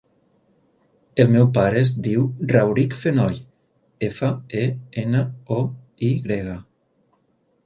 El meu pare es diu Rauric Fenoy: efa, e, ena, o, i grega.